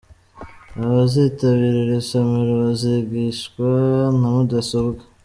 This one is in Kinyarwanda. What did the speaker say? Abazitabira iri somero bazigishwa na mudasobwa.